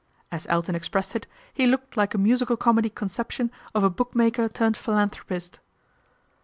As Elton expressed it, he looked like a musical comedy conception of a bookmaker turned philanthropist.